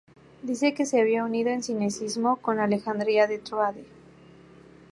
Dice que se había unido en sinecismo con Alejandría de Tróade.